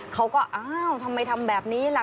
เขาก็อ้าวทำไมทำแบบนี้ล่ะ